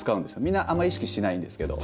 みんなあんまり意識しないんですけど。